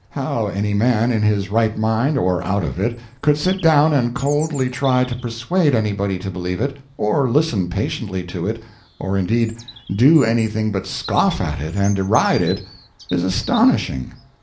How any man, in his right mind or out of it, could sit down and coldly try to persuade anybody to believe it, or listen patiently to it, or, indeed, do anything but scoff at it and deride it, is astonishing.